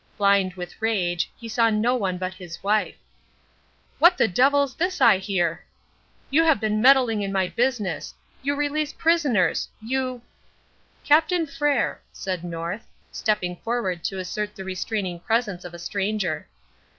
Blind with rage, he saw no one but his wife. "What the devil's this I hear? You have been meddling in my business! You release prisoners! You " "Captain Frere!" said North, stepping forward to assert the restraining presence of a stranger.